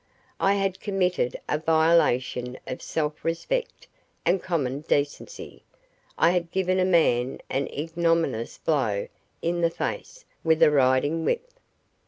I had committed a violation of self respect and common decency; I had given a man an ignominious blow in the face with a riding whip.